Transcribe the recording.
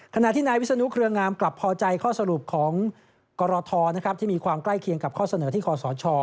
ขณะที่นายวิศนุเครืองามกลับพอใจข้อสรุปของกรทที่มีความใกล้เคียงกับข้อเสนอที่คอสช